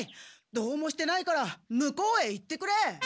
どうもしてないから向こうへ行ってくれ！